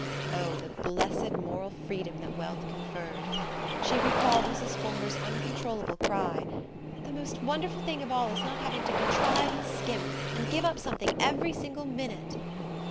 Oh, the blessed moral freedom that wealth conferred! She recalled Mrs. Fulmer's uncontrollable cry: "The most wonderful thing of all is not having to contrive and skimp, and give up something every single minute!"